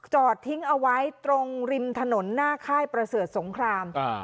จอดทิ้งเอาไว้ตรงริมถนนหน้าค่ายประเสริฐสงคราม